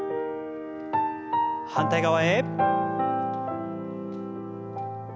反対側へ。